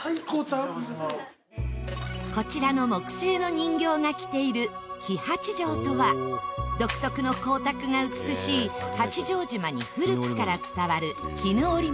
こちらの木製の人形が着ている黄八丈とは独特の光沢が美しい八丈島に古くから伝わる絹織物。